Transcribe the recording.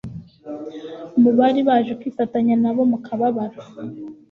Mu bari baje kwifatanya na bo mu kababaro,